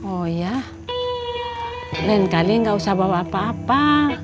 oh ya lain kali gak usah bawa apa apa